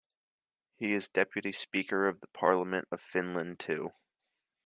He is deputy speaker of the Parliament of Finland too.